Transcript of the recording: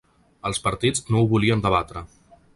Els partits no ho volien debatre.